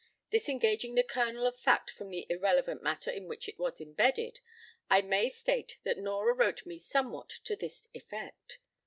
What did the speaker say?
Disengaging the kernel of fact from the irrelevant matter in which it was imbedded, I may state that Nora wrote me somewhat to this effect.